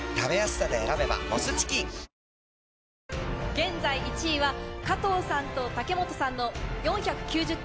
現在１位は加藤さんと竹本さんの４９０点。